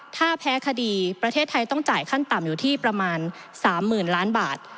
ถ้าแพ้คดีประเทศไทยต้องจ่ายขั้นต่ำอยู่ที่ประมาณ๓๐๐๐ล้านบาท